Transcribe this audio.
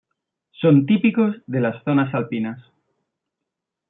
Son típicos de las zonas alpinas.